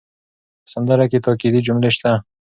په سندره کې تاکېدي جملې شته.